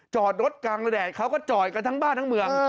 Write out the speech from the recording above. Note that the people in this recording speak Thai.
จอดรถกลางระแดดเขาก็จอดกันทั้งบ้านทั้งเมือง